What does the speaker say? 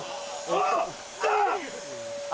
あっ！